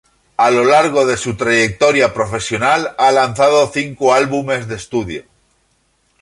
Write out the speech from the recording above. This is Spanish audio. A lo largo de su trayectoria profesional ha lanzado cinco álbumes de estudio.